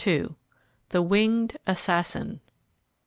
THE WINGED ASSASSIN.